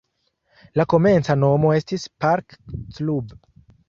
La komenca nomo estis "Park Club".